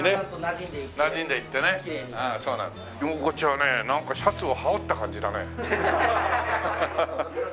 着心地はねなんかシャツを羽織った感じだね。